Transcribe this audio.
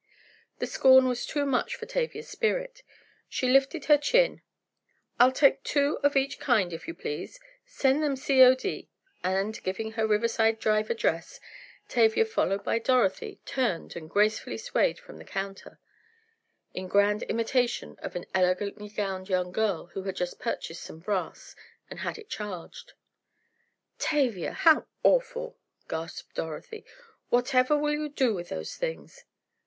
The scorn was too much for Tavia's spirit. She lifted her chin: "I'll take two of each kind, if you please, send them C.O.D.," and, giving her Riverside Drive address, Tavia, followed by Dorothy, turned and gracefully swayed from the counter, in grand imitation of an elegantly gowned young girl who had just purchased some brass, and had it charged. "Tavia, how awful!" gasped Dorothy. "Whatever will you do with those things!"